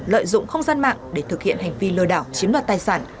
lợi dụng không gian mạng để thực hiện hành vi lừa đảo chiếm đoạt tài sản